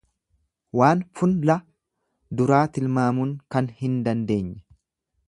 Waan funla duraa tilmaamun kan hin dandeenye.